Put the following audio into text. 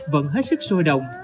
vẫn hết sức sôi động